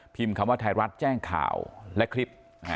คำว่าไทยรัฐแจ้งข่าวและคลิป